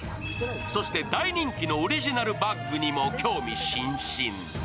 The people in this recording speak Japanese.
そして大人気のオリジナルバッグにも興味津々。